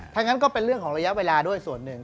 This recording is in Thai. ถ้างั้นก็เป็นเรื่องของระยะเวลาด้วยส่วนหนึ่ง